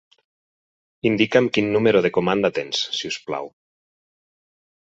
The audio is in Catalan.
Indica'm quin número de comanda tens, si us plau.